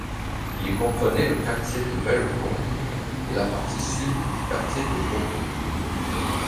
Il comprenait le quartier de Bellecombe et la partie sud du quartier des Brotteaux.